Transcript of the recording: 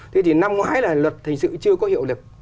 thế thì năm ngoái là luật thành sự chưa có hiệu lực